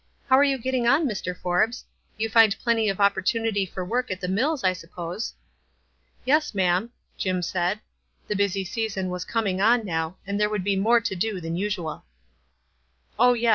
How are j^ou getting on, Mr. Forbes? You find plenty of opportunity for work at the mills, I suppose?" "Yes, ma'am," Jim said. The busy season was coming on now, and there would be more to do than usual. "Oh, yes.